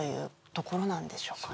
ところなんでしょうかね